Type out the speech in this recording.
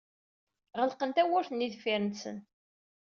Ɣelqen tawwurt-nni deffir-nsen.